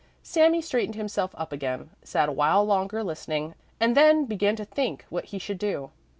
Sami straightened himself up again, sat a while longer listening, and then began to think what he should do.